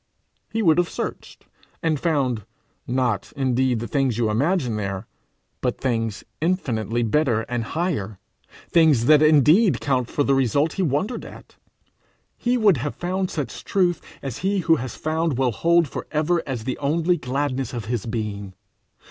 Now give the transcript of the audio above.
He would have searched, and found not indeed the things you imagine there, but things infinitely better and higher, things that indeed account for the result he wondered at; he would have found such truth as he who has found will hold for ever as the only gladness of his being.